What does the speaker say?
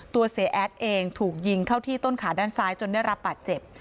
เสียแอดเองถูกยิงเข้าที่ต้นขาด้านซ้ายจนได้รับบาดเจ็บ